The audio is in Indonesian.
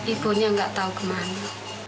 ibunya nggak tahu kemana